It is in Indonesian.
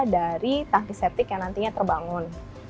dari tangki septik yang nantinya terbangun